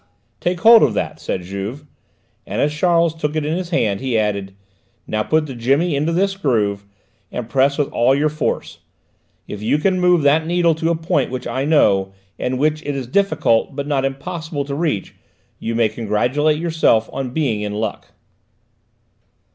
"Take hold of that," said Juve, and as Charles took it in his hand he added: "Now put the jemmy into this groove, and press with all your force. If you can move that needle to a point which I know, and which it is difficult but not impossible to reach, you may congratulate yourself on being in luck."